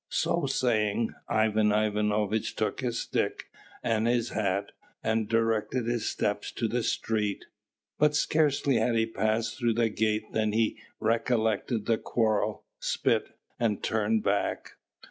So saying, Ivan Ivanovitch took his stick and his hat, and directed his steps to the street; but scarcely had he passed through the gate than he recollected the quarrel, spit, and turned back.